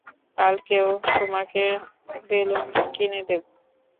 কালকেও তোমাকে বেলুন কিনে দেবো।